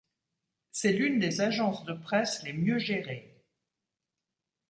C'est l'une des agences de presse les mieux gérées.